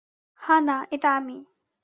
হা-না, এটা আমি।